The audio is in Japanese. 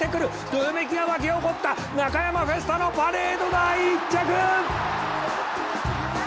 「どよめきが巻き起こったナカヤマフェスタのパレードだ１着」